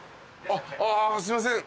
あすいません。